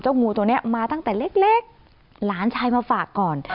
งูตัวนี้มาตั้งแต่เล็กหลานชายมาฝากก่อน